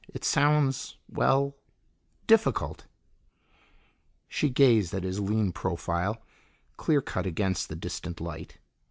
It sounds well, difficult." She gazed at his lean profile, clear cut against the distant light.